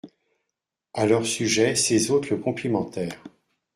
À leur sujet ses hôtes le complimentèrent.